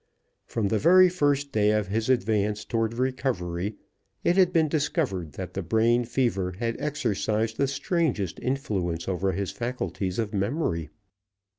From the very first day of his advance toward recovery, it had been discovered that the brain fever had exercised the strangest influence over his faculties of memory.